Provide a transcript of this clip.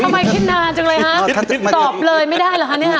ทำไมคิดนานจังเลยฮะตอบเลยไม่ได้หรอฮะเนี่ย